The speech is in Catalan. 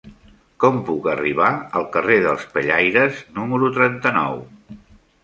Com puc arribar al carrer dels Pellaires número trenta-nou?